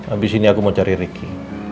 abis ini aku mau cari ricky